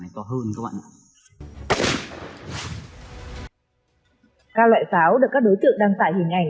các loại pháo được các đối tượng đăng tải hình ảnh